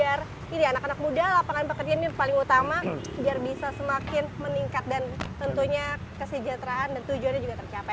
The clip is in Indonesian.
dan semoga ini anak anak muda lapangan pekerjaan ini paling utama biar bisa semakin meningkat dan tentunya kesejahteraan dan tujuannya juga tercapai